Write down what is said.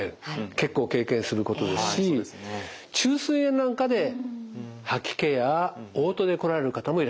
結構経験することですし虫垂炎なんかで吐き気やおう吐で来られる方もいらっしゃいます。